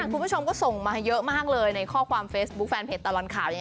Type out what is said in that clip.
คุณผู้ชมก็ส่งมาเยอะมากเลยในข้อความเฟซบุ๊คแฟนเพจตลอดข่าว